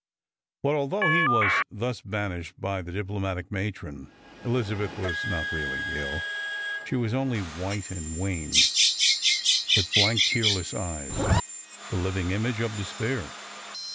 But although he was thus banished by the diplomatic matron, Elizabeth was not really ill. She was only white and wan, with blank tearless eyes, the living image of despair.